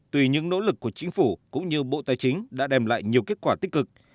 tùy những nỗ lực của chính phủ cũng như bộ tài chính đã đem lại nhiều kết quả tích cực